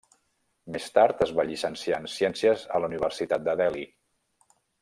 Més tard es va llicenciar en ciències a la Universitat de Delhi.